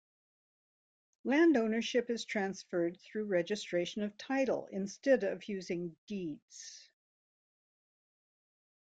Land ownership is transferred through registration of title instead of using deeds.